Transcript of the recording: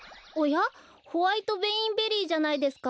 ホワイト・ベインベリーじゃないですか！